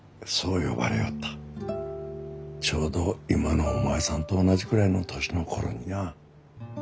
ちょうど今のお前さんと同じくらいの年の頃ににゃ。